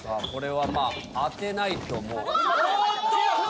これは当てないともう。